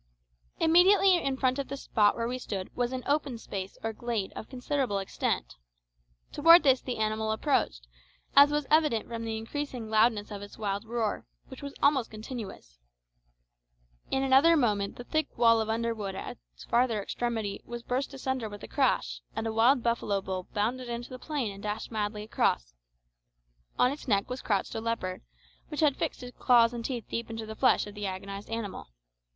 Immediately in front of the spot where we stood was an open space or glade of considerable extent. Towards this the animal approached, as was evident from the increasing loudness of its wild roar, which was almost continuous. In another moment the thick wall of underwood at its farther extremity was burst asunder with a crash, and a wild buffalo bull bounded into the plain and dashed madly across. On its neck was crouched a leopard, which had fixed its claws and teeth deep in the flesh of the agonised animal.